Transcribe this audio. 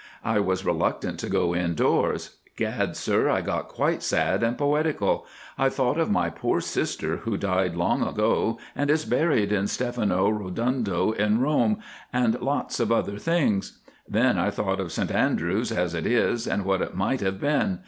I was reluctant to go indoors. Gad, sir, I got quite sad and poetical. I thought of my poor sister who died long ago and is buried in Stefano Rodundo at Rome, and lots of other things. Then I thought of St Andrews as it is and what it might have been.